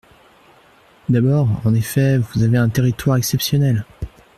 D’abord, en effet, vous avez un territoire exceptionnel.